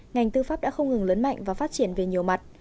ngành tư pháp đã không ngừng lớn mạnh và phát triển về nhiều mặt